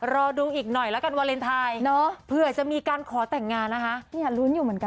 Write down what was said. รอดูอีกหน่อยละกันวาเลนไทยเพื่อจะมีการขอแต่งงานนะคะ